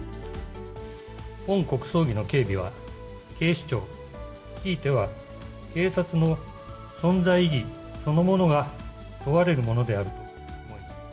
本国葬儀の警備は、警視庁、ひいては警察の存在意義そのものが問われるものである。